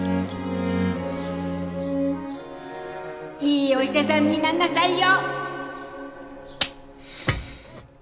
いいお医者さんになんなさいよ！